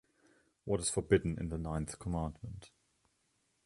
What is forbidden in the ninth commandment?